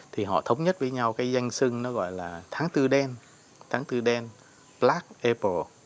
thì họ thống nhất với nhau cái danh sưng nó gọi là tháng tư đen tháng tư đen black april